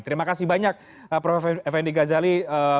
terima kasih banyak prof effendi ghazali